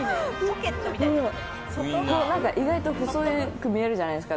意外と細く見えるじゃないですか。